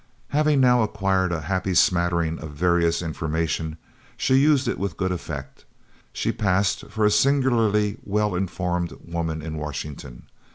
Having now acquired a happy smattering of various information, she used it with good effect she passed for a singularly well informed woman in Washington.